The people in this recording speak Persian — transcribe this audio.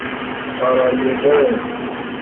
سارایوو